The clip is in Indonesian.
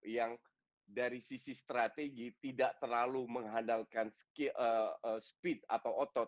yang dari sisi strategi tidak terlalu mengandalkan speed atau otot